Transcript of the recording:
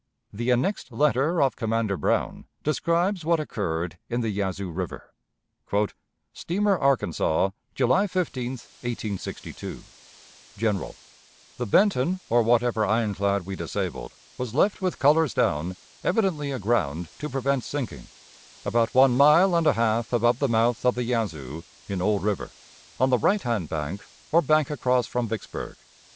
The annexed letter of Commander Brown describes what occurred in the Yazoo River: "STEAMER ARKANSAS, July 15, 1862. "GENERAL: The Benton, or whatever ironclad we disabled, was left with colors down, evidently aground to prevent sinking, about one mile and a half above the mouth of the Yazoo (in Old River), on the right hand bank, or bank across from Vicksburg.